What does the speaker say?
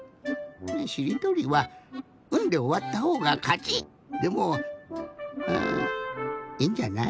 しりとりは「ん」でおわったほうがかちでもいいんじゃない？